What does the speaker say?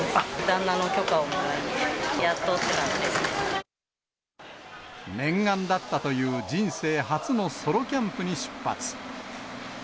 旦那の許可をもらい、やっとって念願だったという、人生初のソロキャンプに出発。